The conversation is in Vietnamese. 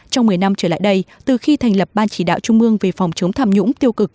trong một mươi năm trở lại đây từ khi thành lập ban chỉ đạo trung mương về phòng chống tham nhũng tiêu cực